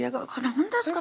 「何ですか？